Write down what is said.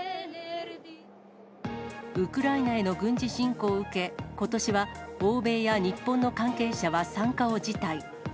ウクライナへの軍事侵攻を受け、ことしは欧米や日本の関係者は参加を辞退。